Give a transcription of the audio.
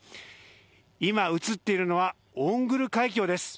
今、映っているのはオングル海峡です。